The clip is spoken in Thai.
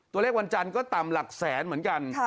วันจันทร์ก็ต่ำหลักแสนเหมือนกัน